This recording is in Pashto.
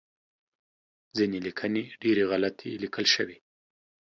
ځینې لیکنې ډیری غلطې لیکل شوی